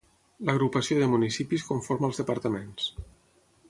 L'agrupació de municipis conforma els departaments.